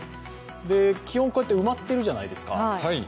基本、こうやって埋まっているじゃないですか。